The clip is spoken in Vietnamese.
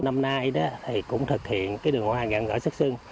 năm nay thì cũng thực hiện cái đường hoa gạm gỡ sức sưng